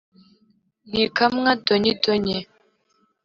ntikamwa donyi donyi